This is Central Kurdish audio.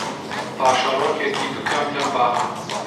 پاشەرۆکێکی بکەم لەم باخە